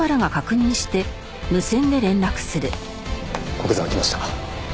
古久沢来ました。